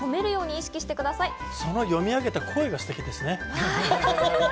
その読み上げた声がステキですね。